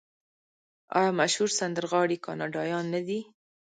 آیا مشهور سندرغاړي کاناډایان نه دي؟